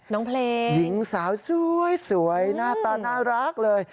น้องเพลงหญิงสาวสวยหน้าตาน่ารักเลย